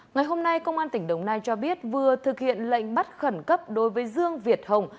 ngày hôm nay công an tỉnh đồng nai cho biết vừa thực hiện lệnh bắt khẩn cấp đối với dương việt hồng